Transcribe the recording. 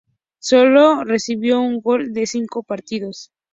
Sólo recibió un gol en cinco partidos.